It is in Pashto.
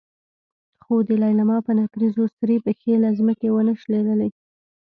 خو د لېلما په نکريزو سرې پښې له ځمکې ونه شکېدلې.